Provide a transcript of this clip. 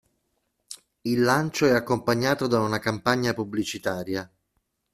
Il lancio è accompagnato da una campagna pubblicitaria.